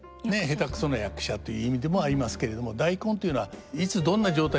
下手くそな役者という意味でもありますけれども大根というのはいつどんな状態でも食べられる。